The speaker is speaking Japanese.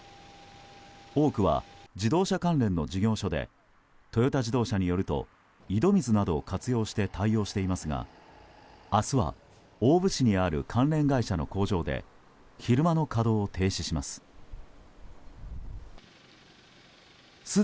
多くは自動車関連の事業所でトヨタ自動車によると井戸水などを活用して対応していますが、明日は大府市にある関連会社の工場で昼間の稼働を停止します。